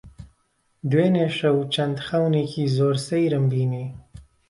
دوێنێ شەو چەند خەونێکی زۆر سەیرم بینی.